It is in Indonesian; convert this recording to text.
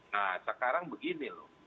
nah sekarang begini loh